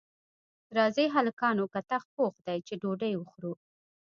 راځئ هلکانو کتغ پوخ دی چې ډوډۍ وخورو